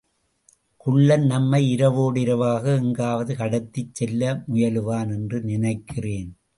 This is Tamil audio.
குள்ளன் நம்மை இரவோடு இரவாக எங்காவது கடத்திச் செல்ல முயலுவான் என்று நினைக்கிறேன்.